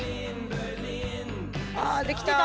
あできた。